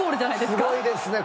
すごいですね。